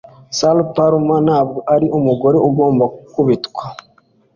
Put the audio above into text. Sally Palmer ntabwo ari umugore ugomba gukubitwa